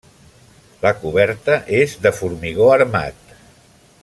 La coberta és de formigó armat.